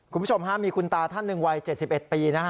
คุณผู้ชมฮะมีคุณตาท่านหนึ่งวัยเจ็ดสิบเอ็ดปีนะฮะ